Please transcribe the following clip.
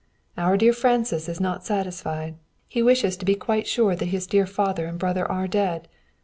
Our dear Francis is not satisfied. He wishes to be quite sure that his dear father and brother are dead.